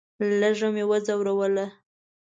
لږه مې وځوروله.